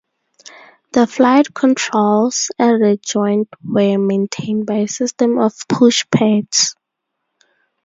The flight controls at the joint were maintained by a system of push pads.